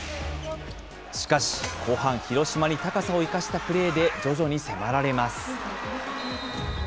しかし、後半、広島に高さを生かしたプレーで徐々に迫られます。